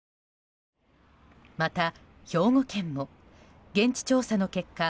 また兵庫県も、現地調査の結果